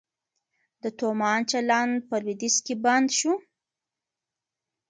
د تومان چلند په لویدیځ کې بند شو؟